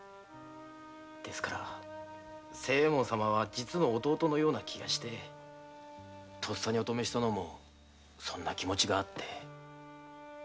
ですから清右衛門様は実の弟のような気がしてとっさにお止めしたのもそんな気持があって。